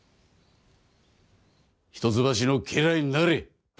一橋の家来になれ。